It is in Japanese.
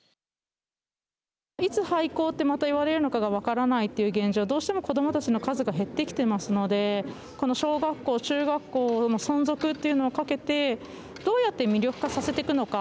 いつ廃校ってまた言われるのかがわからないという現状でどうしても子どもたちの数が減ってきているのでこの小学校、中学校の存続というのをかけてどうやって魅力化させていくのか